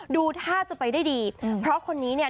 ดูท่าจะไปได้ดีเพราะคนนี้เนี่ย